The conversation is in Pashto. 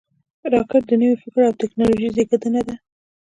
راکټ د نوي فکر او ټېکنالوژۍ زیږنده ده